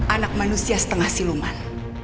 anak manusia setengah siluman